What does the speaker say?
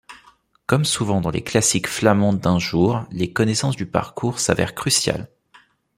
Comme souvent dans les classiques flamandes d'un jour, les connaissances du parcours s'avèrent cruciales.